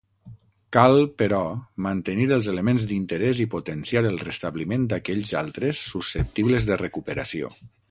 Cal però mantenir els elements d'interès i potenciar el restabliment d’aquells altres susceptibles de recuperació.